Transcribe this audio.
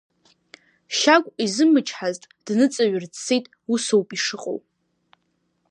Шьагә изымычҳазт дныҵаҩр дцеит усоуп ишыҟоу.